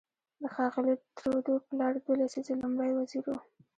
د ښاغلي ترودو پلار دوه لسیزې لومړی وزیر و.